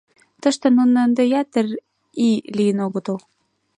Тыште нуно ынде ятыр ий лийын огытыл.